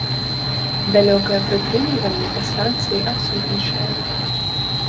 Далёкае прытрымліванне па станцыі адсутнічае.